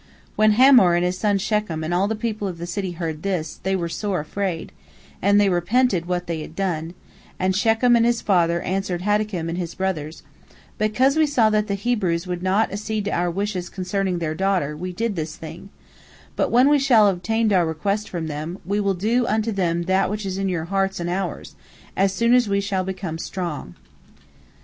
When Hamor and his son Shechem and all the people of the city heard this, they were sore afraid, and they repented what they had done, and Shechem and his father answered Haddakum and his brothers: "Because we saw that the Hebrews would not accede to our wishes concerning their daughter, we did this thing, but when we shall have obtained our request from them, we will then do unto them that which is in your hearts and in ours, as soon as we shall become strong."